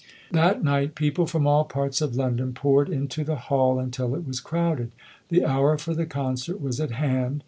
That night people from all parts of London poured into the hall until it was crowded. The hour for the concert was at hand.